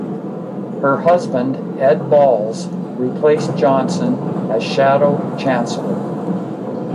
Her husband, Ed Balls, replaced Johnson as Shadow Chancellor.